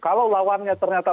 kalau lawannya ternyata